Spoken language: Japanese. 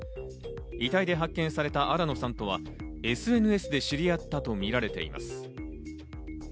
遺体で発見された新野さんとはＳＮＳで知り合ったとみられています。